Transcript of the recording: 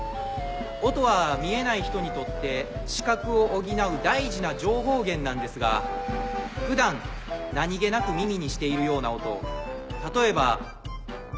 音は見えない人にとって視覚を補う大事な情報源なんですが普段何げなく耳にしているような音例えば。